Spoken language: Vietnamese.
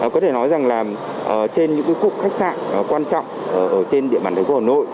có thể nói rằng là trên những cụm khách sạn quan trọng ở trên địa bàn thành phố hà nội